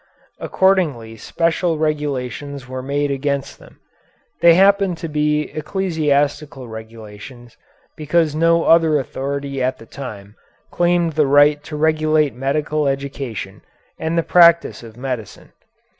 Accordingly special regulations were made against them. They happen to be ecclesiastical regulations, because no other authority at that time claimed the right to regulate medical education and the practice of medicine.